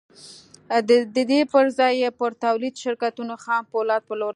د دې پر ځای یې پر تولیدي شرکتونو خام پولاد پلورل